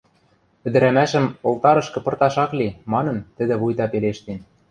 – Ӹдӹрӓмӓшӹм олтарышкы пырташ ак ли, – манын, тӹдӹ вуйта пелештен.